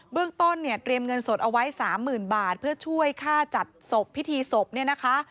เรื่องต้นเนี่ยเตรียมเงินสดเอาไว้สามหมื่นบาทเพื่อช่วยค่าจัดศพพิธีศพเนี่ยนะคะ